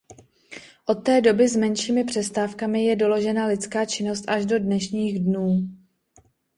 Od té doby s menšími přestávkami je doložena lidská činnost až do dnešních dnů.